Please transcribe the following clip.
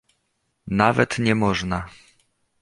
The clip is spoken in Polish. "Nawet nie można."